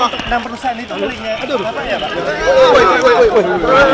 bapak yang perusahaan ditolak